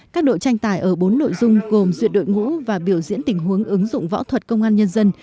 các đội tranh tài ở bốn nội dung gồm duyệt đội ngũ và biểu diễn tình huống ứng dụng võ thuật công an nhân dân